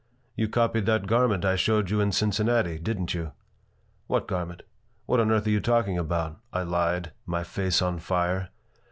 "You copied that garment I showed you in Cincinnati, didn't you?" "What garment? What on earth are you talking about?" I lied, my face on fire.